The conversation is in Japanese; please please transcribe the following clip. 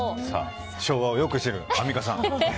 昭和をよく知るアンミカさん。